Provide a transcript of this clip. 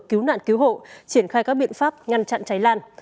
cứu nạn cứu hộ triển khai các biện pháp ngăn chặn cháy lan